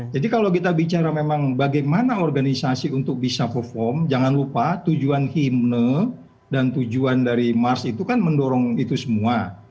jadi kalau kita bicara memang bagaimana organisasi untuk bisa perform jangan lupa tujuan himne dan tujuan dari mars itu kan mendorong itu semua